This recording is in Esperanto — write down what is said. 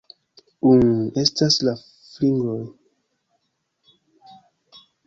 Uh... estas du fingroj.